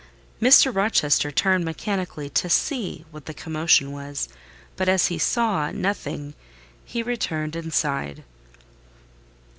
Mr. Rochester turned mechanically to see what the commotion was: but as he saw nothing, he returned and sighed.